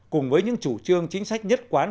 cùng với những chủ trương chính sách nhất quán